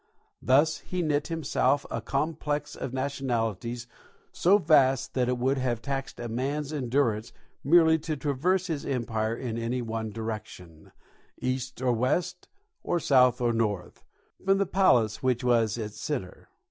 Thus he knit to himself a complex of nationalities so vast that it would have taxed a man's endurance merely to traverse his empire in any one direction, east or west or south or north, from the palace which was its centre.